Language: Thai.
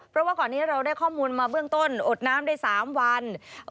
เพราะว่าก่อนนี้เราได้ข้อมูลมาเบื้องต้นอดน้ำได้๓วัน